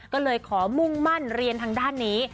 ก็เลยขอมุ่งมั่นเรียนทางด้านนี้